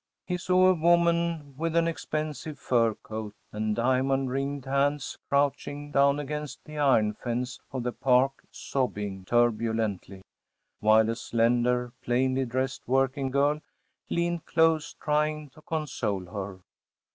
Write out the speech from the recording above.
He saw a woman with an expensive fur coat, and diamond ringed hands crouching down against the iron fence of the park sobbing turbulently, while a slender, plainly dressed working girl leaned close, trying to console her.